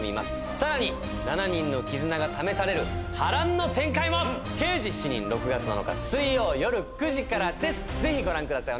さらに７人の絆が試される波乱の展開も刑事７人６月７日水曜よる９時からでぜひご覧ください